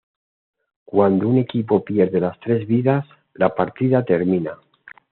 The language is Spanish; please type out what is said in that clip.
Cuando un equipo pierde las tres vidas, la partida termina.